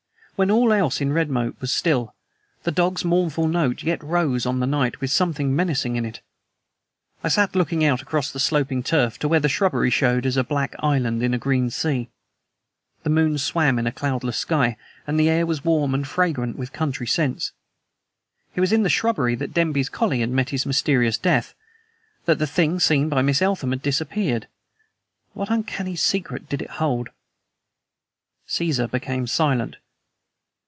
When all else in Redmoat was still the dog's mournful note yet rose on the night with something menacing in it. I sat looking out across the sloping turf to where the shrubbery showed as a black island in a green sea. The moon swam in a cloudless sky, and the air was warm and fragrant with country scents. It was in the shrubbery that Denby's collie had met his mysterious death that the thing seen by Miss Eltham had disappeared. What uncanny secret did it hold? Caesar became silent.